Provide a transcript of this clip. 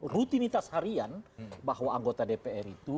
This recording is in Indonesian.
rutinitas harian bahwa anggota dpr itu